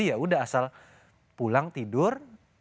ya udah asal pulang tidur